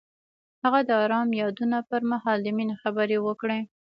هغه د آرام یادونه پر مهال د مینې خبرې وکړې.